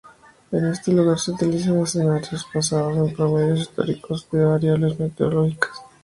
En su lugar se utilizan escenarios basados en promedios históricos de las variables meteorológicas.